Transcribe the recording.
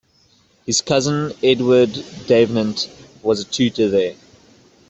His cousin, Edward Davenant, was a tutor there.